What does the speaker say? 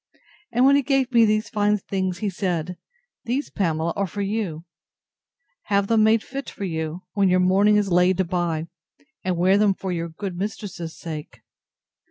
And when he gave me these fine things, he said, These, Pamela, are for you; have them made fit for you, when your mourning is laid by, and wear them for your good mistress's sake.